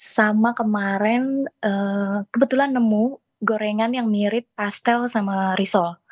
sama kemarin kebetulan nemu gorengan yang mirip pastel sama risol